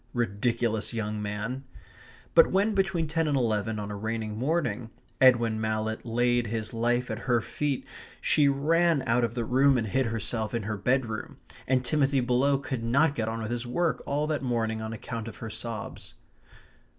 Ridiculous young man! But when, between ten and eleven on a rainy morning, Edwin Mallett laid his life at her feet she ran out of the room and hid herself in her bedroom, and Timothy below could not get on with his work all that morning on account of her sobs.